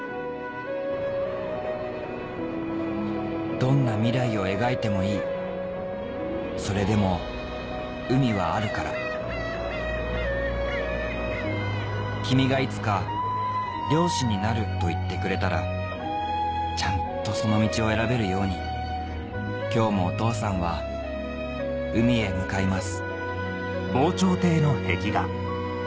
どんな未来を描いてもいいそれでも海はあるから君がいつか「漁師になる」と言ってくれたらちゃんとその道を選べるように今日もお父さんは海へ向かいます